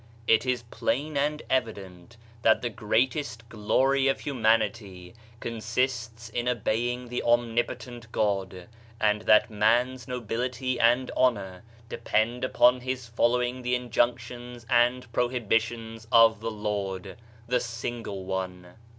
It is plain and evident that the greatest glory of humanity consists in obeying the Omnipotent God, and man's nobility and honor depend upon his following the injunctions ad prohibitions of the Lord, the Single One.